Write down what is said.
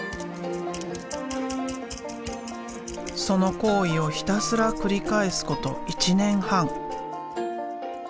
その行為をひたすら繰り返すこと１年半。